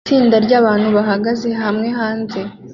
Itsinda ryabantu bahagaze hamwe hanze